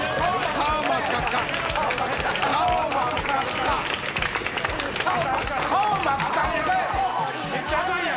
顔真っ赤っかやで。